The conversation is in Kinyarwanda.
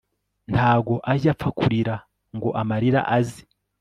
ntago ajya apfa kurira ngo amarira aze